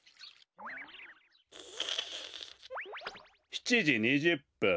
７じ２０ぷん。